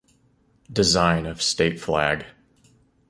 Design of state flag.